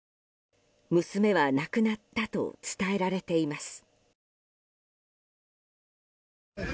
娘は亡くなったと伝えられています。